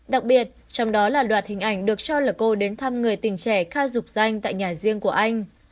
đặc biệt trong đó là đoạt hình ảnh được cho là cô đến thăm người tình trẻ kha dụ danh tại nhà riêng của anh